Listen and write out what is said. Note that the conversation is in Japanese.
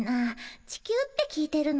地球って聞いてるのに。